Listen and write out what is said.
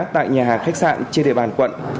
tại nhà hàng khách sạn trên địa bàn quận